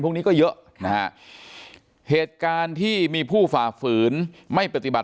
พวกนี้ก็เยอะนะฮะเหตุการณ์ที่มีผู้ฝ่าฝืนไม่ปฏิบัติ